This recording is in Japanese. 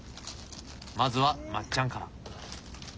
まずはまっちゃんから。